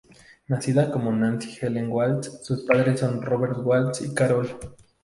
Nacida como Nancy Ellen Walls, sus padres son Robert Walls y Carol.